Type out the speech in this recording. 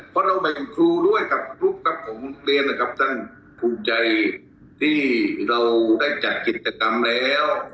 เพราะเราหมายถึงครูด้วยกับลูกครับผมเรียนนะครับท่านภูมิใจที่เราได้จัดกิจกรรมแล้ว